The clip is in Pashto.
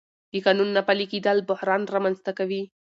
د قانون نه پلي کېدل بحران رامنځته کوي